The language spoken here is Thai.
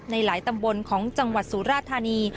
ในหลายตำบลของจังหวัดสุราธานี